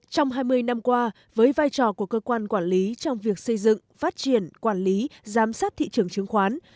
trong hai mươi năm qua với vai trò của cơ quan quản lý trong việc xây dựng phát triển quản lý giám sát thị trường chứng khoán